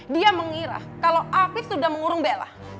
dia mengira kalau afif sudah mengurung bela